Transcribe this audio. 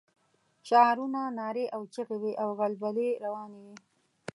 شعارونه، نارې او چيغې وې او غلبلې روانې وې.